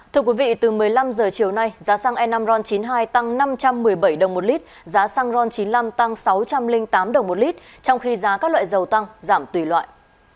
thưa quý vị từ một mươi năm h chiều nay giá xăng e năm ron chín mươi hai tăng năm trăm một mươi bảy đồng một lít giá xăng ron chín mươi năm tăng sáu trăm linh tám đồng một lít trong khi giá các loại dầu tăng giảm tùy loại